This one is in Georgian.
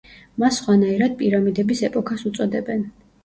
მას სხვანაირად პირამიდების ეპოქას უწოდებენ.